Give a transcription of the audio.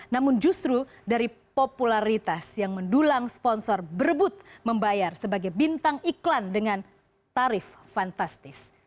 namun justru dari popularitas yang mendulang sponsor berebut membayar sebagai bintang iklan dengan tarif fantastis